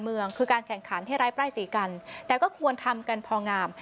เมืองคือการแข่งขันให้ไร้ป้ายสีกันแต่ก็ควรทำกันพองาม